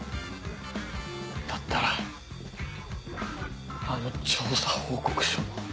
だったらあの調査報告書は。